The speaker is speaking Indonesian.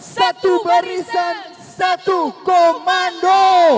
satu barisan satu komando